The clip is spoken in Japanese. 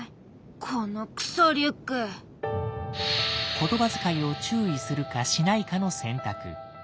言葉遣いを注意するかしないかの選択。